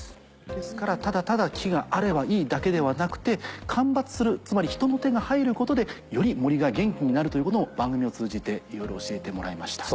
ですからただただ木があればいいだけではなくて間伐するつまり人の手が入ることでより森が元気になるということも番組を通じていろいろ教えてもらいました。